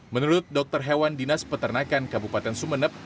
menurut dokter hewan dinas peternakan kabupaten sumeneb